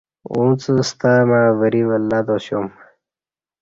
اُݩڅ ستمع وری ولہ تاسیوم